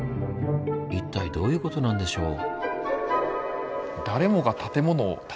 一体どういうことなんでしょう？